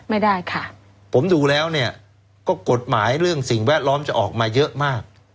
ไม่ได้ค่ะผมดูแล้วเนี่ยก็กฎหมายเรื่องสิ่งแวดล้อมจะออกมาเยอะมาก